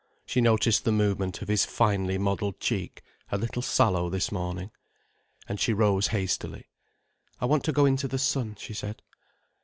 She noticed the movement of his finely modelled cheek, a little sallow this morning. And she rose hastily. "I want to go into the sun," she said.